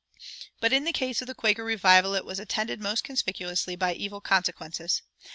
But in the case of the Quaker revival it was attended most conspicuously by its evil consequences.